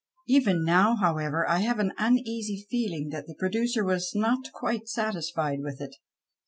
Even now, however, I have an uneasy feeling that the producer was not quite satisfied with it.